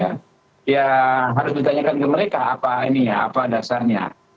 jadi kita harus bertanyakan ke mereka apa ini ya apa dasarnya